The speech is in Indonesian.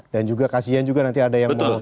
dan juga kasian juga nanti ada yang